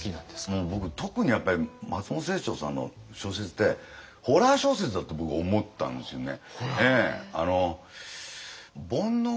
もう僕特にやっぱり松本清張さんの小説ってホラー小説だって僕思ったんですよね。